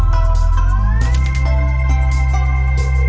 โปรดติดตามต่อไป